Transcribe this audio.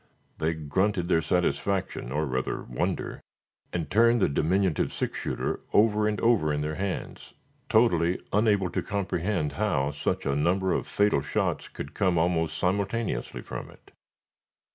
They grunted their satisfaction, or rather wonder, and turned the diminutive six shooter over and over in their hands, totally unable to comprehend how such a number of fatal shots could come almost simultaneously from it.